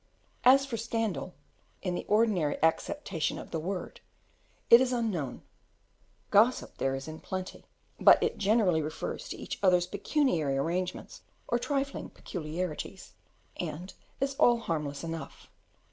As for scandal, in the ordinary acceptation of the word, it is unknown; gossip there is in plenty, but it generally refers to each other's pecuniary arrangements or trifling peculiarities, and is all harmless enough.